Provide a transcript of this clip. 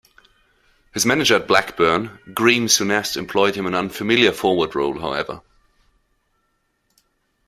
His manager at Blackburn, Graeme Souness, employed him in an unfamiliar forward role, however.